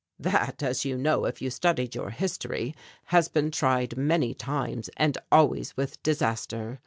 "That, as you know if you studied your history, has been tried many times and always with disaster.